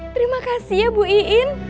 terima kasih ya bu iin